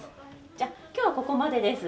じゃ今日はここまでです。